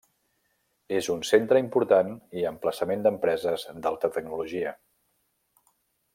És un centre important i emplaçament d'empreses d'alta tecnologia.